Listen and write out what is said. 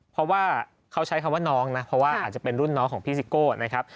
เพราะว่าเขาใช้คำว่าน้องนะเพราะว่าอาจจะเป็นรุ่นน้องของพี่ซิโก้นะครับ